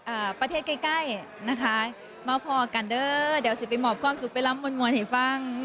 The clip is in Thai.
อ่าประเทศใกล้ใกล้นะคะมาพอกันเด้อเดี๋ยวสิไปหมอบความสุขไปรับมวลมวลให้ฟัง